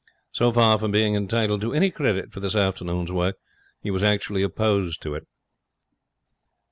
So, far from being entitled to any credit for this afternoon's work, he was actually opposed to it.'